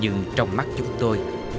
nhưng trong mắt chúng tôi